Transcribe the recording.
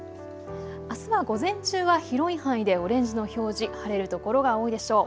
あすは午前中は広い範囲でオレンジの表示、晴れる所が多いでしょう。